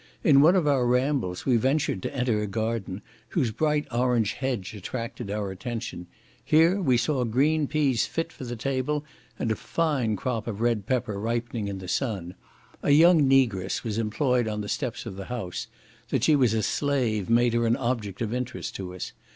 In one of our rambles we ventured to enter a garden, whose bright orange hedge attracted our attention; here we saw green peas fit for the table, and a fine crop of red pepper ripening in the sun. A young Negress was employed on the steps of the house; that she was a slave made her an object of interest to us.